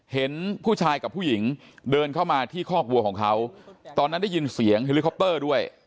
เห็นผู้ชายกับผู้หญิงเดินเข้ามาที่คอกวัวของเขาตอนนั้นได้ยินเสียงเฮลิคอปเตอร์ด้วย